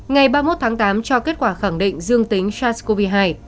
ngày ba mươi một tháng tám cho kết quả khẳng định dương tính sars cov hai